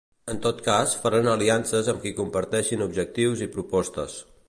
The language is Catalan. En tot cas, faran aliances amb qui comparteixin objectius i propostes.